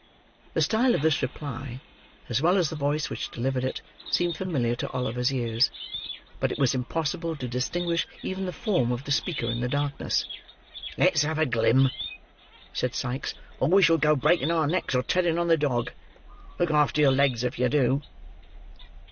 The style of this reply, as well as the voice which delivered it, seemed familiar to Oliver's ears: but it was impossible to distinguish even the form of the speaker in the darkness. "Let's have a glim," said Sikes, "or we shall go breaking our necks, or treading on the dog. Look after your legs if you do!"